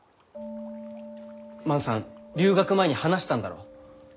万さん留学前に話したんだろう？